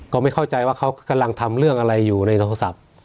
ก็ไม่เข้าใจว่าเขากำลังทำเรื่องอะไรอยู่ในโทรศัพท์